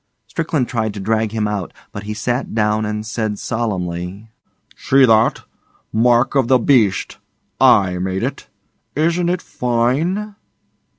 Strickland tried to drag him out, but he sat down and said solemnly: 'Shee that? 'Mark of the B beasht! I made it. Ishn't it fine?